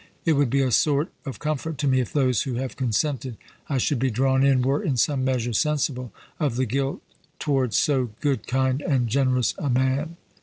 It would be a sort of comfort to me, if those who have consented I should be drawn in were in some measure sensible of the guilt towards so good, kind, and generous a man.